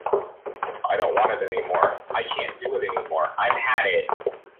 I don’t want it any more, I can’t do it any more, I’ve had it!